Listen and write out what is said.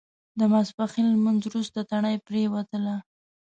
د ماسپښین لمونځ وروسته تڼۍ پرېوتلو.